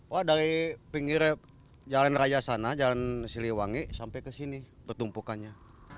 wah dari pinggir jalan raya sana jalan siliwangi sampai ke sini pertumpukannya